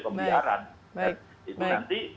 pembiaran itu nanti